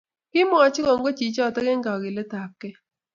Kimwachi kongoi jichoto eng kakilet ab eki.